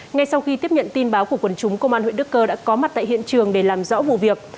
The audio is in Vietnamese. ngay sau khi tiếp nhận tin báo của quần chúng công an huyện đức cơ đã có mặt tại hiện trường để làm rõ vụ việc